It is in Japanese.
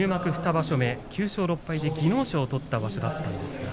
２場所目で９勝６敗で技能賞を取った場所でした。